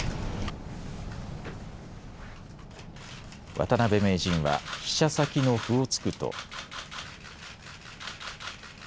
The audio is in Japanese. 渡辺名人は飛車先の歩を突くと。